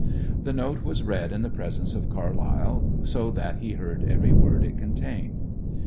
The note was read in the presence of Carlyle, so that he heard every word it contained.